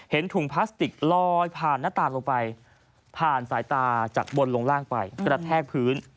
ถุงพลาสติกลอยผ่านหน้าตาลงไปผ่านสายตาจากบนลงล่างไปกระแทกพื้น